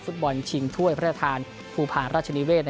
ฟุตบอลชิงถ้วยพระทศาลภูพารรถชนิเวส